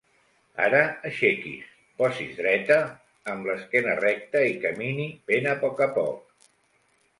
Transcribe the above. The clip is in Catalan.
Ara aixequi's, posi's dreta, amb l'esquena recta i camini ben a poc a poc.